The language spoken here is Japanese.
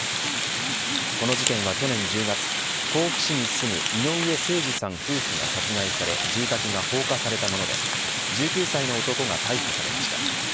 この事件は、去年１０月甲府市に住む井上盛司さん夫婦が殺害され住宅が放火されたもので１９歳の男が逮捕されました。